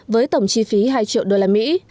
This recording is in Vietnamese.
với tổng chi phí hai triệu đô la mỹ